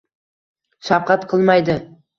shafqat qilmaydi.